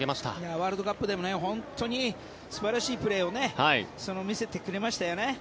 ワールドカップでも本当に素晴らしいプレーを見せてくれましたよね。